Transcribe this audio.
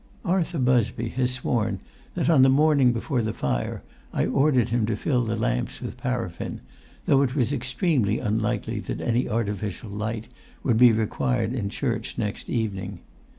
"Arthur Busby has sworn that on the morning before the fire I ordered him to fill the lamps with paraffin, though it was extremely unlikely that any artificial light would be required in church next evening.